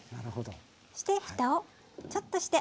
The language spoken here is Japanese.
そしてふたをちょっとして。